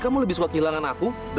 ya gue ingger seguro aja